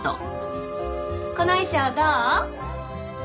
この衣装どう？